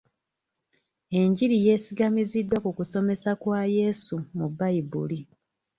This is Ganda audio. Enjiri yesigamiziddwa ku kusomesa kwa Yesu mu bayibuli.